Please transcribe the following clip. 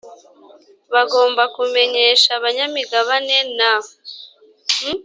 bagomba kumenyesha abanyamigabane na